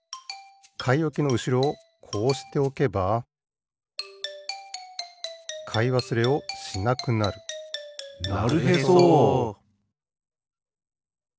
かいおきのうしろをこうしておけばかいわすれをしなくなるなるへそ！